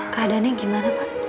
keadaannya gimana pak